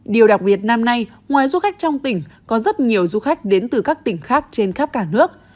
điều đặc biệt năm nay ngoài du khách trong tỉnh có rất nhiều du khách đến từ các tỉnh khác trên khắp cả nước